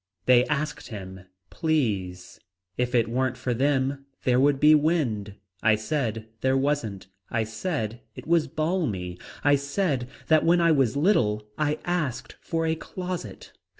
They asked him. Please. If it weren't for them there would be wind. I said there wasn't. I said it was balmy. I said that when I was little I asked for a closet.